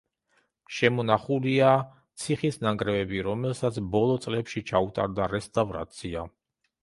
შემონახულია ციხის ნანგრევები, რომელსაც ბოლო წლებში ჩაუტარდა რესტავრაცია.